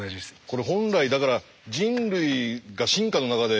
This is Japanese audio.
これ本来だから進化の中で。